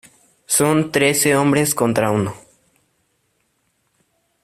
Son trece hombres contra uno.